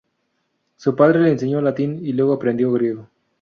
Su padre le enseñó latín, y luego aprendió griego.